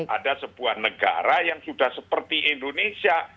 ada sebuah negara yang sudah seperti indonesia